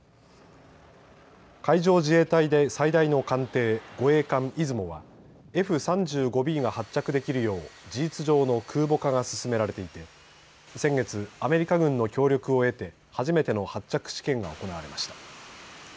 海上自衛隊で最大の艦艇、護衛艦いずもはＦ３５Ｂが発着できるよう事実上の空母化が進められていて先月、アメリカ軍の協力を得て初めての発着試験が行われました。